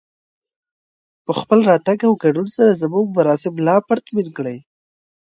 په خپل راتګ او ګډون سره زموږ مراسم لا پرتمين کړئ